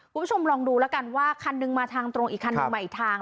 คุณผู้ชมลองดูแล้วกันว่าคันหนึ่งมาทางตรงอีกคันหนึ่งมาอีกทาง